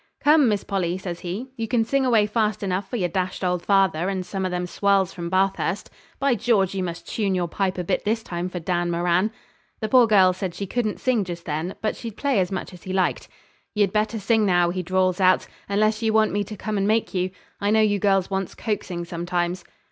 'Come, Miss Polly,' says he, 'you can sing away fast enough for your dashed old father and some o' them swells from Bathurst. By George, you must tune your pipe a bit this time for Dan Moran.' The poor girl said she couldn't sing just then, but she'd play as much as he liked. 'Yer'd better sing now,' he drawls out, 'unless ye want me to come and make you. I know you girls wants coaxing sometimes.'